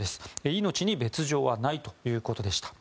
命に別条はないということでした。